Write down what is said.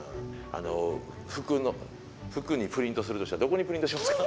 あの服にプリントするとしたらどこにプリントしますか？